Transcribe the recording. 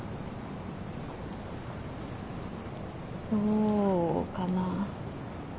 どうかな？